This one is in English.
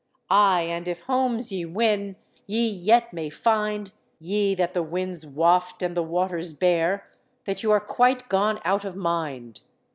Aye, and if homes ye win, ye yet may find ye that the winds waft and the waters bear that you are quite gone out of mind.